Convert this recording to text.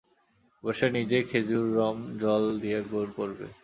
এবার সে নিজেই খেজুররম জ্বল দিয়া গুড় করবে।